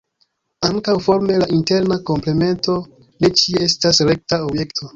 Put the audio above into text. Ankaŭ forme la interna komplemento ne ĉie estas rekta objekto.